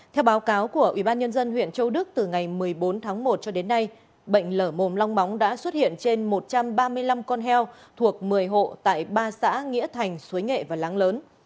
theo báo cáo của ubnd huyện châu đức từ ngày một mươi bốn tháng một cho đến nay bệnh lở mồm long móng đã xuất hiện trên một trăm ba mươi năm con heo thuộc một mươi hộ tại ba xã nghĩa thành suối nghệ và láng lớn